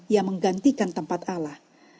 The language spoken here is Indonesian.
yang menggantikan tempat allah